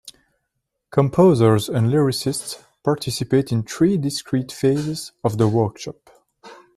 Composers and lyricists participate in three discrete phases of the Workshop.